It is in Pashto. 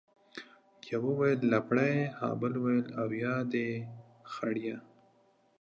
يوه ويل لپړى ، ها بل ويل ، اويا دي خړيه.